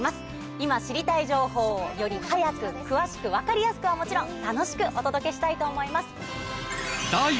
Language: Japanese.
今知りたい情報をより早く詳しく分かりやすくはもちろん楽しくお届けしたいと思います。